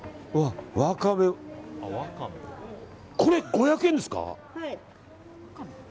これ、５００円ですか。